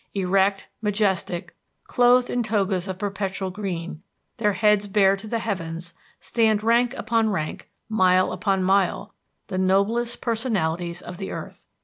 Erect, majestic, clothed in togas of perpetual green, their heads bared to the heavens, stand rank upon rank, mile upon mile, the noblest personalities of the earth.